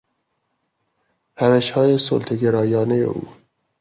روشهای سلطه گرایانهی او